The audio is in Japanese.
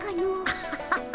アハハハ。